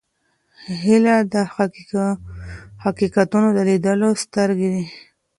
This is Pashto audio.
هیله د حقیقتونو د لیدلو سترګې دي.